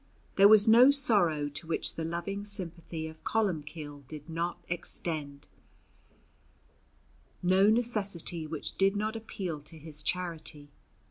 There was no sorrow to which the loving sympathy of Columbcille did not extend, no necessity which did not appeal to his charity.